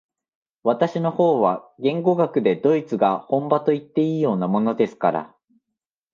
私の方は言語学でドイツが本場といっていいようなものですから、